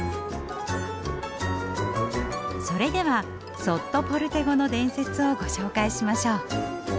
それではソットポルテゴの伝説をご紹介しましょう。